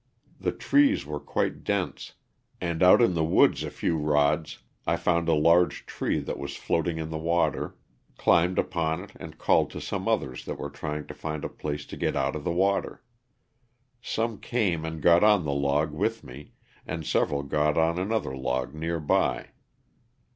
The trees were quite dense, and out in the woods a few rods I found a large tree that was floating in the water, climbed upon it and called to some others that were trying to find a place to get out of the water. Some came and got on the log with me, and several got another log near by.